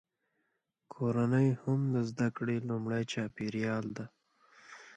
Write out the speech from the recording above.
کورنۍ هم د زده کړې لومړنی چاپیریال دی.